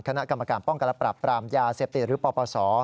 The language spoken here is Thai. คณะกรรมการป้องกันและปรับปรามยาเสพติดหรือปปศ